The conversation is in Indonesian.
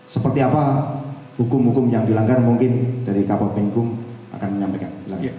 seperti apa hukum hukum yang dilanggar mungkin dari kapol menkum akan menyampaikan